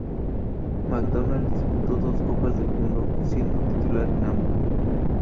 McDowall disputó dos Copas del Mundo, siendo titular en ambas.